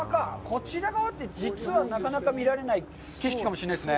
こちら側って実はなかなか見られない景色かもしれませんね。